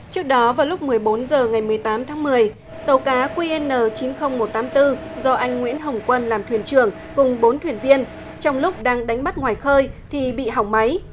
trước đó vào lúc một mươi bốn h ngày một mươi tám tháng một mươi tàu cá qn chín mươi nghìn một trăm tám mươi bốn do anh nguyễn hồng quân làm thuyền trưởng cùng bốn thuyền viên trong lúc đang đánh bắt ngoài khơi thì bị hỏng máy